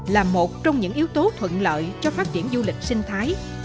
là một trong những yếu tố thuận lợi cho phát triển du lịch sinh thái